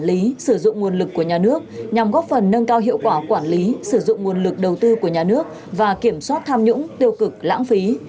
cơ sở đối với doanh nghiệp quản lý sử dụng nguồn lực của nhà nước nhằm góp phần nâng cao hiệu quả quản lý sử dụng nguồn lực đầu tư của nhà nước và kiểm soát tham nhũng tiêu cực lãng phí